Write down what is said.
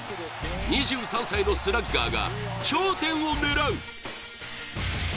２３歳のスラッガーが頂点を狙う。